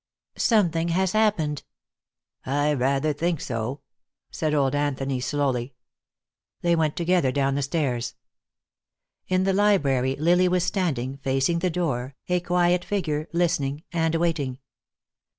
"Something has happened!" "I rather think so," said old Anthony, slowly. They went together down the stairs. In the library Lily was standing, facing the door, a quiet figure, listening and waiting.